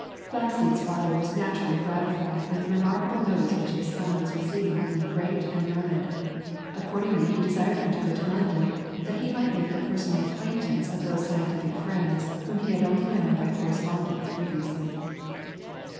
Flamsteed's father was naturally gratified with the remarkable notice which his son was receiving from the great and learned; accordingly he desired him to go to London, that he might make the personal acquaintance of those scientific friends whom he had only known by correspondence previously.